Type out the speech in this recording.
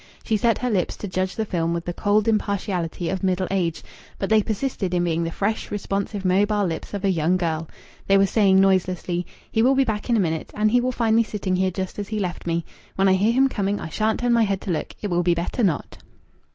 She set her lips to judge the film with the cold impartiality of middle age, but they persisted in being the fresh, responsive, mobile lips of a young girl. They were saying noiselessly: "He will be back in a moment. And he will find me sitting here just as he left me. When I hear him coming I shan't turn my head to look. It will be better not."